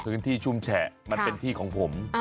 คือที่ชุ่มแฉะมันเป็นที่ของผม